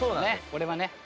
これはね。